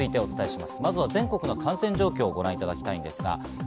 まずは全国の感染状況をご覧いただきます。